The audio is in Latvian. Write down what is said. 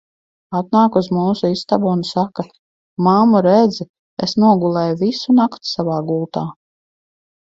Atnāk uz mūsu istabu un saka "mammu, redzi, es nogulēju visu nakti savā gultā".